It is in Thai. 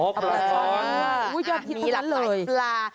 อ๋อปลาช้อนมีหลักหลายปลา